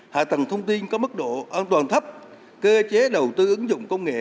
hạ tầng thông tin có mức độ an toàn thấp cơ chế đầu tư ứng dụng công nghệ